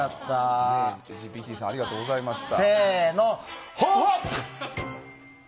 ＣｈａｔＧＰＴさんありがとうございました。